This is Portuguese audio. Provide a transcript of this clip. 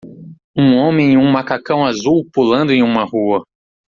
Um homem em um macacão azul pulando em uma rua.